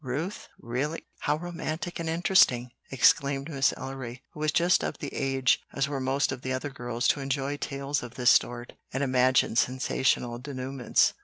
"Ruth? Really? How romantic and interesting!" exclaimed Miss Ellery, who was just of the age, as were most of the other girls, to enjoy tales of this sort and imagine sensational denouements.